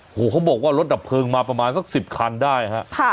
โอ้โหเขาบอกว่ารถดับเพลิงมาประมาณสัก๑๐คันได้ฮะ